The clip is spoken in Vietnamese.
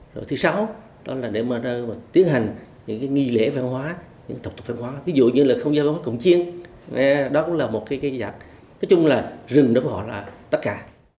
rồi thứ sáu đó là nơi để mà tiến hành những cái nghi lễ văn hóa những tổng tục văn hóa ví dụ như là không giao văn hóa cổng chiên đó cũng là một cái dạng nói chung là rừng đối với họ là tất cả